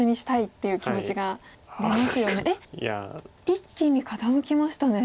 一気に傾きましたね。